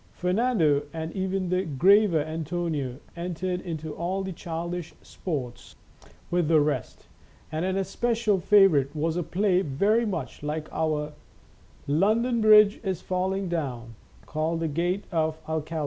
Fernando, and even the graver Antonio, entered into all the childish sports with the Games and Sports 99 rest, and an especial favourite was a play very much like our " London Bridge is Falling Down," called the " Gate of Aleak."